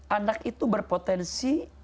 anak itu berpotensi